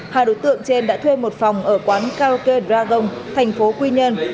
hai đối tượng trên đã thuê một phòng ở quán karaoke dragon thành phố quy nhơn